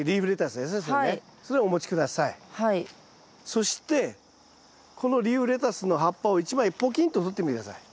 そしてこのリーフレタスの葉っぱを１枚ポキンととってみて下さい。